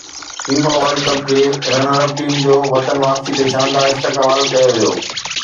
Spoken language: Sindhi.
فيفا ورلڊ ڪپ جي رنر اپ ٽيم جو وطن واپسي تي شاندار استقبال ڪيو ويو